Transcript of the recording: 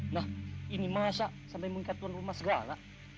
nah ini masa sampai mengikat tuan rumah segala